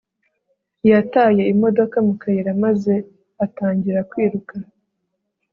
yataye imodoka mu kayira maze atangira kwiruka